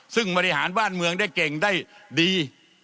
ซึ่งบริหารบ้านเมืองได้เก่งได้ดี